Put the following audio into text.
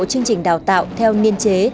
chương trình đào tạo theo niên chế